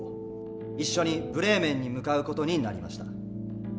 一緒にブレーメンに向かう事になりました。